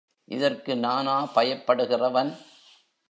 இதற்கு நானா பயப்படுகிறவன்?